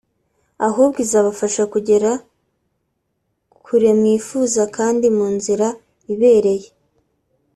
ahubwo izabafasha kugera kure mwifuza kandi mu nzira ibereye”